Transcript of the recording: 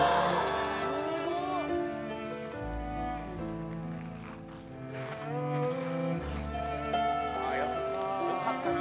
スゴい！よかったな